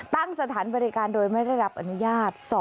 สถานบริการโดยไม่ได้รับอนุญาต